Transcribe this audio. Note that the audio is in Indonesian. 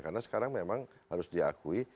karena sekarang memang harus diakui